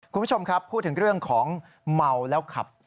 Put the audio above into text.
คุณผู้ชมครับพูดถึงเรื่องของเมาแล้วขับ